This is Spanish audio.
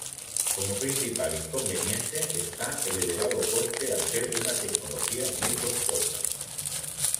Como principal inconveniente está el elevado coste al ser una tecnología muy costosa.